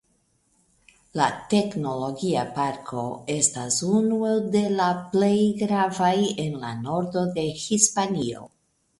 La Teknologia Parko estas unu de la plej gravaj en la nordo de Hispanio.